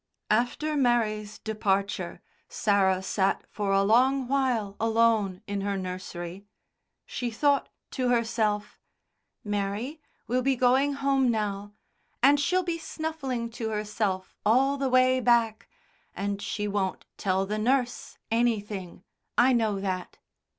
After Mary's departure Sarah sat for a long while alone in her nursery. She thought to herself: "Mary will be going home now and she'll be snuffling to herself all the way back, and she won't tell the nurse anything, I know that.